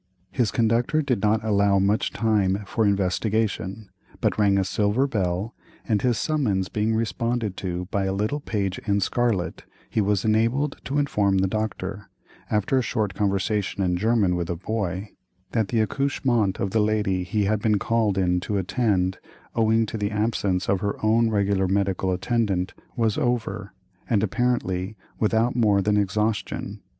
His conductor did not allow much time for investigation, but rang a silver bell, and his summons being responded to by a little page in scarlet, he was enabled to inform the doctor, after a short conversation in German with the boy, that the accouchement of the lady he had been called in to attend, owing to the absence of her own regular medical attendant, was over, and apparently "without more than exhaustion."